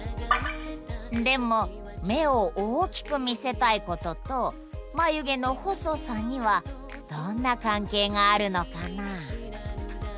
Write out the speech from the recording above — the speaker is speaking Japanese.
でも目を大きく見せたいことと眉毛の細さにはどんな関係があるのかな？